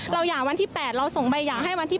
หย่าวันที่๘เราส่งใบหย่าให้วันที่